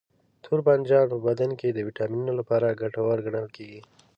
توربانجان په بدن کې د ویټامینونو لپاره ګټور ګڼل کېږي.